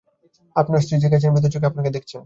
আপনার স্ত্রী জেগে আছেন-ভীত চোখে আপনাকে দেখছেন।